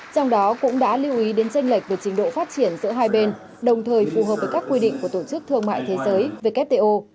trong đó cũng đã lưu ý đến tranh lệch về trình độ phát triển giữa hai bên đồng thời phù hợp với các quy định của tổ chức thương mại thế giới về kép t o